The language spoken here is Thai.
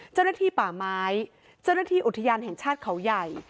เจ้าหน้าที่ป่าไม้เจ้าหน้าที่อุทยานแห่งชาติเขาใหญ่